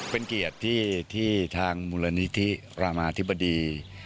เป็นเกียรติที่ทางมูลนิธิรามาธิบดี